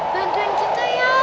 bantuin kita ya